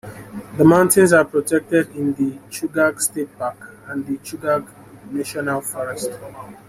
The mountains are protected in the Chugach State Park and the Chugach National Forest.